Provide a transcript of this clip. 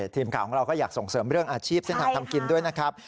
ทีมข่าวของเราก็อยากส่งเสริมเรื่องอาชีพเส้นทางทำกินด้วยนะครับ